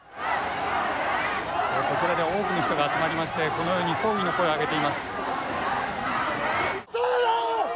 こちらで多くの人が集まりまして、このように抗議の声を上げています。